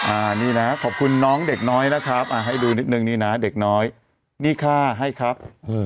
อันนี้นะขอบคุณน้องเด็กน้อยนะครับอ่าให้ดูนิดนึงนี่นะเด็กน้อยนี่ค่าให้ครับ